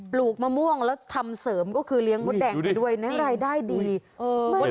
ลูกมะม่วงแล้วทำเสริมก็คือเลี้ยงมดแดงไปด้วยนะรายได้ดีเออ